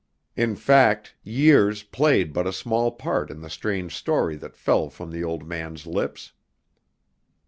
In fact, years played but a small part in the strange story that fell from the old man's lips.